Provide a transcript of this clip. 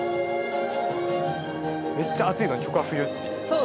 ・めっちゃ暑いのに曲は『冬』という。